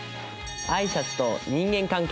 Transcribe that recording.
「挨拶と人間関係」。